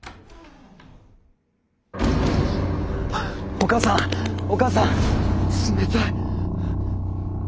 お母さん⁉お母さん冷たい。